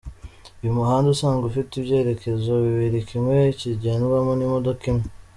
Uyu muhanda usanzwe ufite ibyerekezo bibiri kimwe kigendwamo n’imodoka imwe.